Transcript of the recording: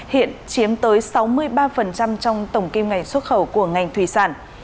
hiện chiếm tới sáu mươi ba trong tổng kim ngành xuất khẩu của ngành thủy sản